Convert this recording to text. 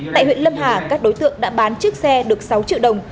tại huyện lâm hà các đối tượng đã bán chiếc xe được sáu triệu đồng